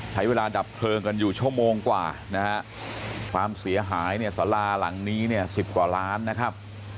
ใช้เวลาดับเพลิงกันอยู่ชั่วโมงกว่านะฮะความเสียหายเนี่ยสาราหลังนี้เนี่ย๑๐กว่าล้านนะครับ